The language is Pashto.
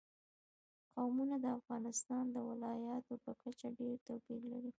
قومونه د افغانستان د ولایاتو په کچه ډېر توپیر لري.